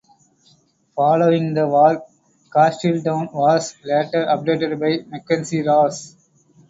Following the war Castletown was later updated by Mackenzie Ross.